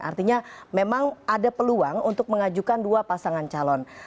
artinya memang ada peluang untuk mengajukan dua pasangan calon